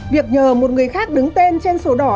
việc nhờ một người khác đứng tên trên sổ đỏ